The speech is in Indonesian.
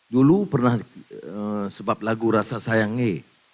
dulu pernah sebab lagu rasa sayangi